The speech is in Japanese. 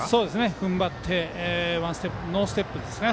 ふんばってノーステップですね。